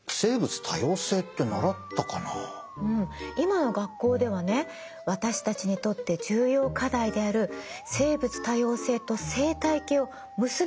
うん今の学校ではね私たちにとって重要課題である生物多様性と生態系を結び付けて学んでるんですって。